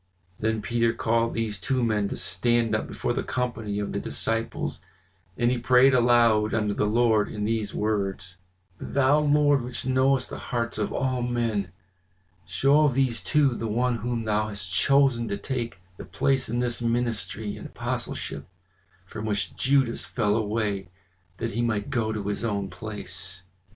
Then Peter called these two men to stand up before the company of the disciples, and he prayed aloud unto the Lord in these words: "Thou, Lord, which knowest the hearts of all men, show of these two the one whom thou hast chosen to take the place in this ministry and apostleship, from which Judas fell away that he might go to his own place."